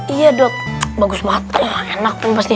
iya dot bagus banget enak pempas nih